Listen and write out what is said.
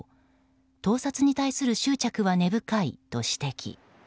盗撮に対する執着は根深いと指摘。